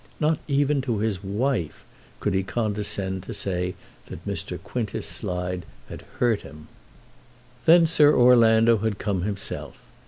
Not even to his wife could he condescend to say that Mr. Quintus Slide had hurt him. Then Sir Orlando had come himself.